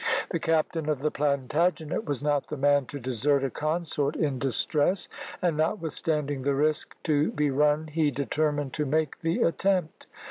The captain of the Plantagenet was not the man to desert a consort in distress, and notwithstanding the risk to be run he determined to make the attempt.